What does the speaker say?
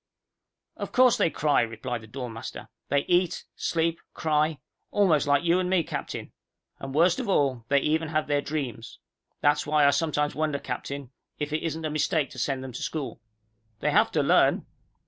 "Of course they cry," replied the dorm master. "They eat, sleep, cry almost like you and me, Captain. And worst of all, they even have their dreams. That's why I sometimes wonder, Captain, if it isn't a mistake to send them to school." "They have to learn."